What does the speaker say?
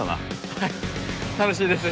はい楽しいです